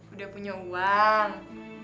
udah punya uang